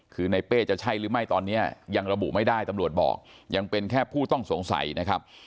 คือในเป้จะใช่หรือไม่ตอนนี้ยังระบุไม่ได้ตำรวจบอกยังเป็นแค่ผู้ต้องสงสัยนะครับ